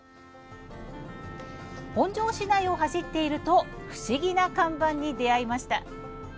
本庄市内を走っていると不思議な看板に出会いました。